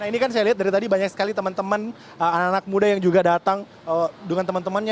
nah ini kan saya lihat dari tadi banyak sekali teman teman anak anak muda yang juga datang dengan teman temannya